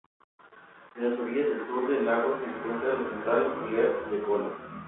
En las orillas del sur del lago se encuentra la Central nuclear de Kola.